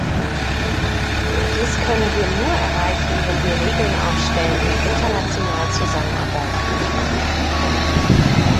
Dies können wir nur erreichen, wenn wir Regeln aufstellen und international zusammenarbeiten.